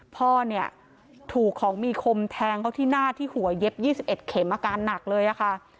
พ่อเนี่ยถูกของมีคมแทงเขาที่หน้าที่หัวเย็บ๒๑เข็มอาการหนักเลยค่ะ